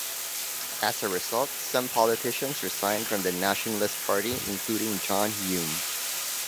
As a result, some politicians resigned from the Nationalist Party, including John Hume.